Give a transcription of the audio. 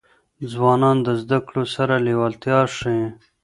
ځوانان د زدهکړو سره لېوالتیا ښيي.